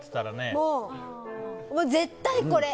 もう、絶対これ。